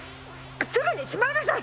すぐにしまいなさい！